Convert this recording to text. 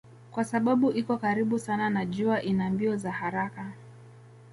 Kwa sababu iko karibu sana na jua ina mbio za haraka.